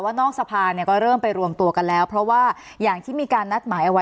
สนับสนุนโดยทีโพพิเศษถูกอนามัยสะอาดใสไร้คราบ